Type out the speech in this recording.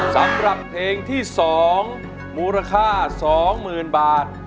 สำหรับเพลงที่๒มูลค่า๒๐๐๐บาท